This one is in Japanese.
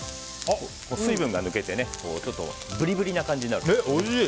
水分が抜けてブリブリな感じになる。